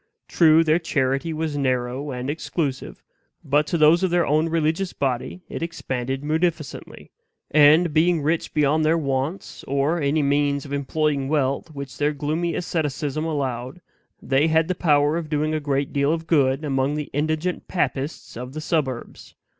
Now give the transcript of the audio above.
True, their charity was narrow and exclusive, but to those of their own religious body it expanded munificently; and, being rich beyond their wants, or any means of employing wealth which their gloomy asceticism allowed, they had the power of doing a great deal of good among the indigent papists of the suburbs.